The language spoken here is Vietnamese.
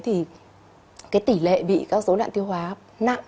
thì cái tỷ lệ bị các số lạng tiêu hóa nặng